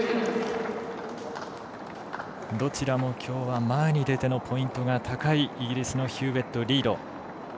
どちらもきょうは前に出てのポイントが高いイギリスのヒューウェット、リード。